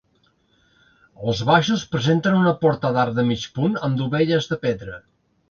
Els baixos presenten una porta d'arc de mig punt amb dovelles de pedra.